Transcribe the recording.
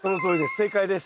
正解です。